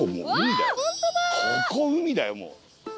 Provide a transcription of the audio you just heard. ここ海だよもう。